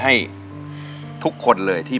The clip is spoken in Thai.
อยากเรียน